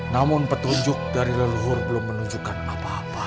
namun petunjuk dari leluhur belum menunjukkan apa apa